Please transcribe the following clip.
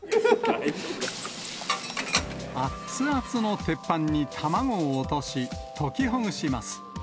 あっつあつの鉄板に卵を落とし、溶きほぐします。